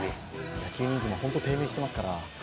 野球人気も本当に低迷していますから。